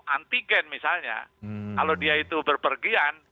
antigen misalnya kalau dia itu berpergian